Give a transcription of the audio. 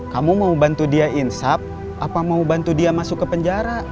kamu mau bantu dia insaf apa mau bantu dia masuk ke penjara